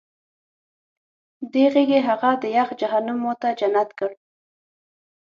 دې غېږې هغه د یخ جهنم ما ته جنت کړ